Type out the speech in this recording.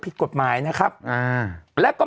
ถูกต้องถูกต้อง